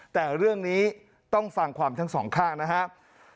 แต่เรื่องนี้ต้องฟังความทั้งสองข้างนะครับ